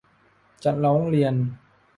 จะร้องเรียน